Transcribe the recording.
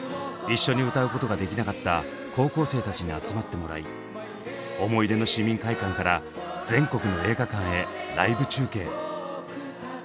一緒に歌うことができなかった高校生たちに集まってもらい思い出の市民会館から全国の映画館へライブ中継。